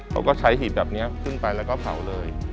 เขาก็ใช้หีบแบบนี้ขึ้นไปแล้วก็เผาเลย